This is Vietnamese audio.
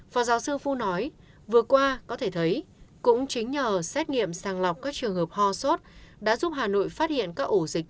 phó giáo sư phu nói vừa qua có thể thấy cũng chính nhờ xét nghiệm sàng lọc các trường hợp ho sốt đã giúp hà nội phát hiện các ổ dịch